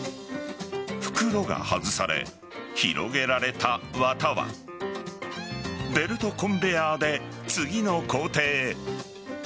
袋が外され、広げられた綿はベルトコンベアで次の工程へ。